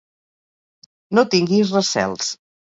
No tinguis recels.